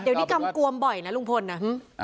เดี๋ยวนี้กำกวมบ่อยนะลุงพลนะ